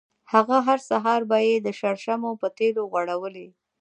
هغه هر سهار به یې د شرشمو په تېلو غوړولې.